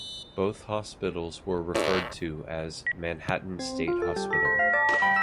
Both hospitals were referred to as "Manhattan State Hospital".